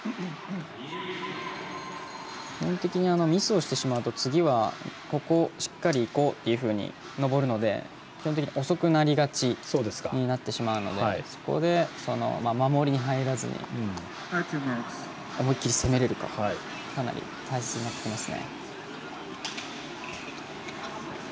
基本的にミスをしてしまうと次はここしっかりいこうというふうに登るので基本的に遅くなりがちになってしまうのでそこで、守りに入らずに思い切り攻めれるかかなり大切になってきます。